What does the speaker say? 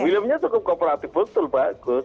williamnya cukup kooperatif betul bagus